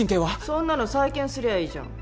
そんなの再建すりゃいいじゃん。